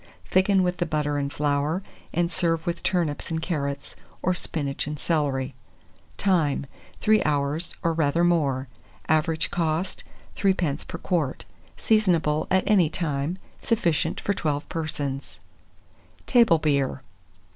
Thicken with the butter and flour, and serve with turnips and carrots, or spinach and celery. Time. 3 hours, or rather more. Average cost, 3d. per quart. Seasonable at any time. Sufficient for 12 persons. TABLE BEER.